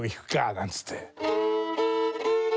なんつって。